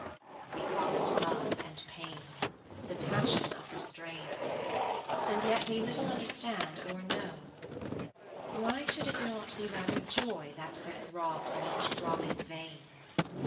We call it love and pain The passion of her strain; And yet we little understand or know: Why should it not be rather joy that so Throbs in each throbbing vein?